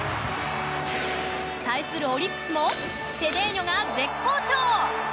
対するオリックスもセデーニョが絶好調。